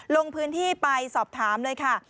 ลงพื้นที่ไปสอบถามเลยค่ะ